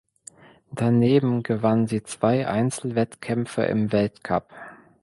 Daneben gewann sie zwei Einzelwettkämpfe im Weltcup.